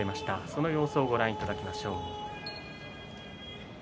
その様子をご覧いただきます。